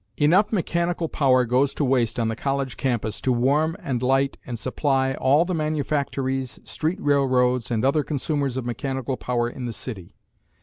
Enough mechanical power goes to waste on the college campus to warm and light and supply all the manufactories, street railroads and other consumers of mechanical power in the city.